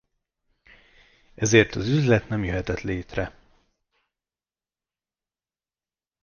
Ezért az üzlet nem jöhetett létre.